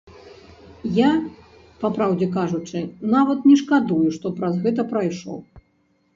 Я, папраўдзе кажучы, нават не шкадую, што праз гэта прайшоў.